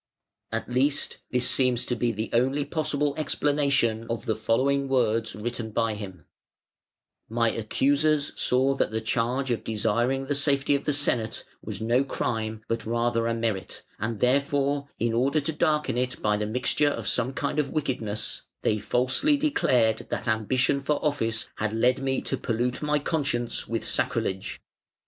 At least this seems to be the only possible explanation of the following words written by him: "My accusers saw that the charge 'of desiring the safety of the Senate' was no crime but rather a merit; and therefore, in order to darken it by the mixture of some kind of wickedness, they falsely declared that ambition for office had led me to pollute my conscience with sacrilege.